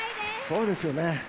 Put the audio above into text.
そうですよね。